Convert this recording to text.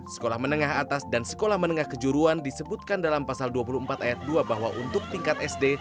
sekolah menengah atas dan sekolah menengah kejuruan disebutkan dalam pasal dua puluh empat ayat dua bahwa untuk tingkat sd